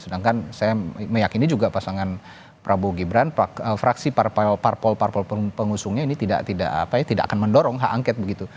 sedangkan saya meyakini juga pasangan prabowo gibran fraksi parpol parpol pengusungnya ini tidak akan mendorong hak angket begitu